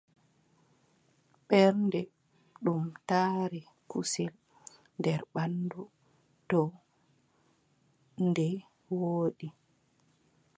Ɓernde, ɗum taʼre kusel nder ɓanndu, to nde woodi,